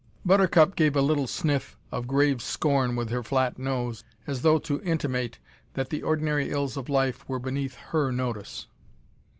Buttercup gave a little sniff of grave scorn with her flat nose, as though to intimate that the ordinary ills of life were beneath her notice.